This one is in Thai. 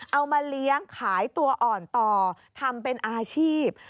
เอามาเลี้ยงขายตัวอ่อนต่อทำเป็นอาชีพ